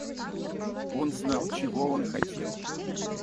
Он знал, чего он хотел.